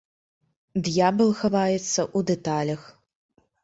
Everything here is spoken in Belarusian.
Д'ябал хаваецца ў дэталях.